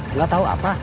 nggak tahu apa